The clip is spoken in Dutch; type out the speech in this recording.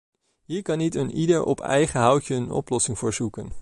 Hier kan niet eenieder op eigen houtje een oplossing voor zoeken.